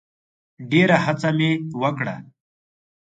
ډېره هڅه مي وکړه .